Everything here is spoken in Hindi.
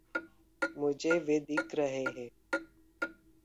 मुझे वे दिख रहे हैं।